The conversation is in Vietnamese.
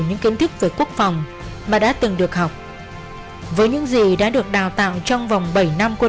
những kiến thức về quốc phòng mà đã từng được học với những gì đã được đào tạo trong vòng bảy năm quân